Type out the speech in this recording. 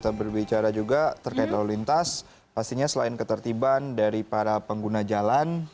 kita berbicara juga terkait lalu lintas pastinya selain ketertiban dari para pengguna jalan